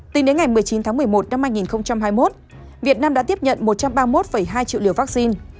tính đến ngày một mươi chín tháng một mươi một năm hai nghìn hai mươi một việt nam đã tiếp nhận một trăm ba mươi một hai triệu liều vaccine